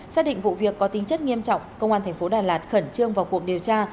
xác định vụ việc có tính chất nghiêm trọng công an thành phố đà lạt khẩn trương vào cuộc điều tra